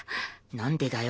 なんでだよ。